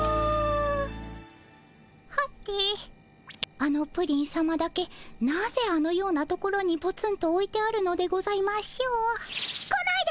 あのプリンさまだけなぜあのような所にポツンとおいてあるのでございましょう？来ないで！